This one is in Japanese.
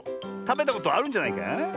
たべたことあるんじゃないか？